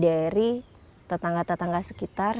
dari tetangga tetangga sekitar